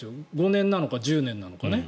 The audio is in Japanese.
５年なのか１０年なのかね。